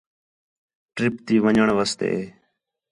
ٹِرپ تی ون٘ڄݨ واسطے